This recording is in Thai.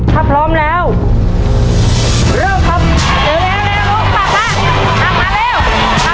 ถ้าพร้อมแล้วเริ่มครับ